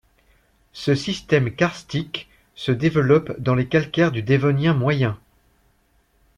Ce système karstique se développe dans les calcaires du dévonien moyen.